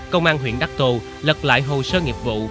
công an huyện đắc tồ lật lại hồ sơ nghiệp vụ